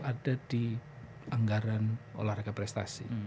ada di anggaran olahraga prestasi